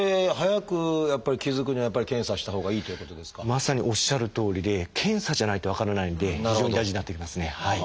まさにおっしゃるとおりで検査じゃないと分からないので非常に大事になってきますね。